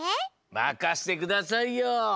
まかせてくださいよ！